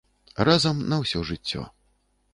Разам на ўсё жыццё.